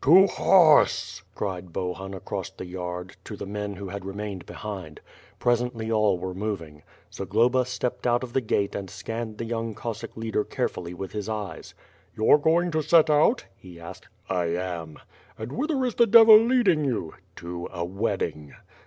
"To horse!" cried Bohun across the yard, to the men who had remained behind. Presently all were moving. Zagloba stepped out of the gate and scanned the young Cossack leader carefully with his eyes. "You're going to set out?" he asked. "I am." "And whither is the devil leading you?" "To a wedding."